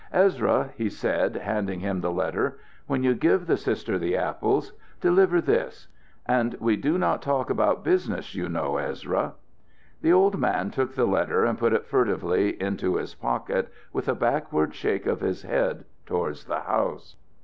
"Ezra," he said, handing him the letter, "when you give the Sister the apples, deliver this. And we do not talk about business, you know, Ezra." The old man took the letter and put it furtively into his pocket, with a backward shake of his head towards the house.